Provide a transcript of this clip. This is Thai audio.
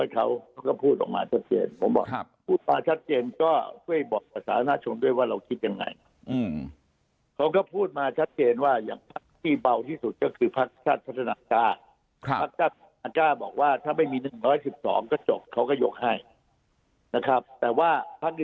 ครับบอกว่าถ้าไม่มี๑๑๒ก็จบเขาก็ยกให้นะครับแต่ว่า